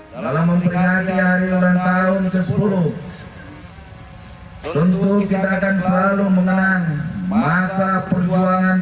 dalam memperingati hari ulang tahun ke sepuluh tentu kita akan selalu mengenang masa perjuangan